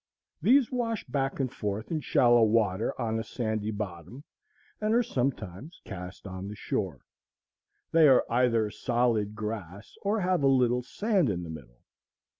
These wash back and forth in shallow water on a sandy bottom, and are sometimes cast on the shore. They are either solid grass, or have a little sand in the middle.